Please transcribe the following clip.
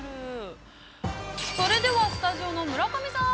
◆それではスタジオの村上さん